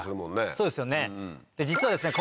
そうですよね実はですね